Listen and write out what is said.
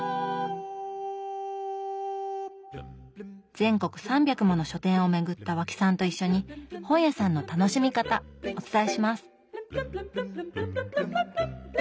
全国３００もの書店を巡った和氣さんと一緒に本屋さんの楽しみ方お伝えします！